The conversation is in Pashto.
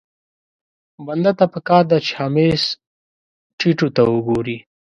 بنده ته پکار ده چې همېش ټيټو ته وګوري.